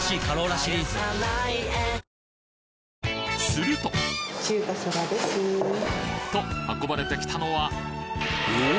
するとと運ばれてきたのはおお！